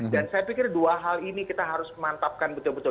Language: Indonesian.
dan saya pikir dua hal ini kita harus mantapkan betul betul